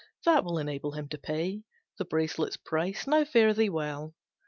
That will enable him to pay The bracelet's price, now fare thee well!"